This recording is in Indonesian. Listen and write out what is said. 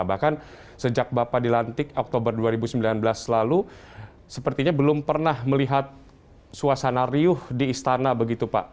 bahkan sejak bapak dilantik oktober dua ribu sembilan belas lalu sepertinya belum pernah melihat suasana riuh di istana begitu pak